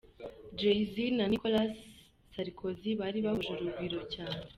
JayZ na Nicolas Sarkozy bari bahuje urugwiro cyane.